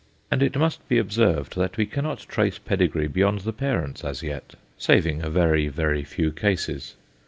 And it must be observed that we cannot trace pedigree beyond the parents as yet, saving a very, very few cases.